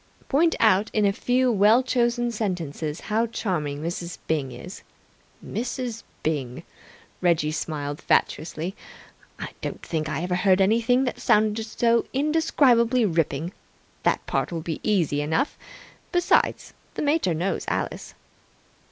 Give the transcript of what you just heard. "Point out in a few well chosen sentences how charming Mrs. Byng is ..." "Mrs. Byng!" Reggie smiled fatuously. "I don't think I ever heard anything that sounded so indescribably ripping. That part'll be easy enough. Besides, the mater knows Alice."